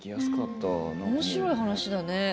面白い話だね。